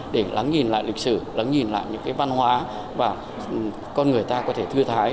để lắng nhìn lại lịch sử lắng nhìn lại những cái văn hóa và con người ta có thể thư thái